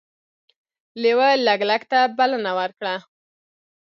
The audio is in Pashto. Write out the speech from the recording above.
لیوه لګلګ ته بلنه ورکړه.